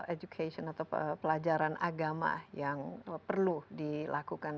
education atau pelajaran agama yang perlu dilakukan